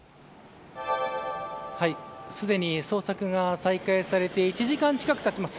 すでに捜索が再開されて１時間近くたちます。